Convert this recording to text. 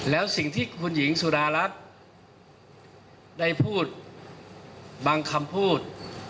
แล้วสิ่งที่คุณหญิงสุดารัฐได้พูดบางคำพูด